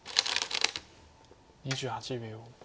２８秒。